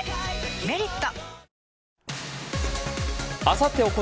「メリット」